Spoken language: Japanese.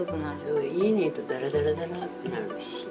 家にいるとダラダラダラってなるし。